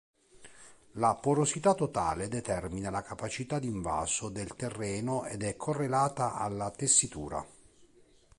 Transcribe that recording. La porosità totale determina la capacità d'invaso del terreno ed è correlata alla tessitura.